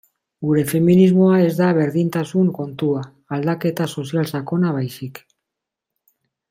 Gure feminismoa ez da berdintasun kontua, aldaketa sozial sakona baizik.